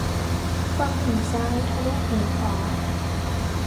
ฟังหูซ้าย ทะลุหูขวา